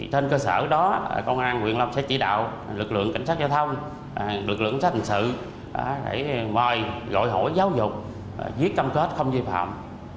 trên cơ sở đó công an huyện long sẽ chỉ đạo lực lượng cảnh sát giao thông lực lượng xã hội tình sự để mời gọi hỏi giáo dục viết cam kết không duy phạm